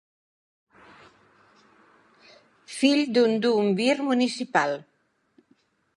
Fill d'un duumvir municipal.